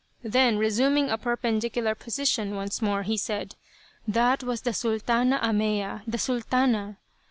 Then, resuming a perpendicular position once more, he said, "That was the Sultana Ahmeya, the Sultana."